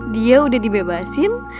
dia udah dibebasin